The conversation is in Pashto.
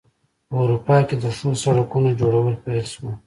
په اروپا کې د ښو سړکونو جوړول پیل شول.